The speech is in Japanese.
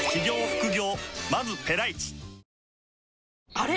あれ？